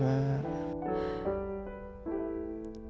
kamu jangan marah dong rad